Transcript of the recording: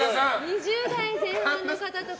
２０代前半の方とか。